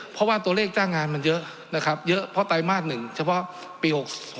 เพราะว่าตัวเลขจ้างงานมันเยอะนะครับเยอะเพราะไตรมาส๑เฉพาะปี๖๒